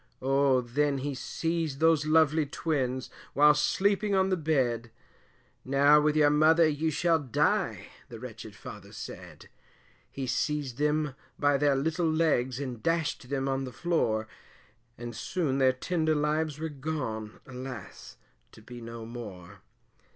Oh then he seized those lovly twins, whilst sleeping on the bed, Now with your mother you shall die, the wretched father said He seized them by their little legs, and dashed them on the floor, And soon their tender lives were gone, alas! to be no more.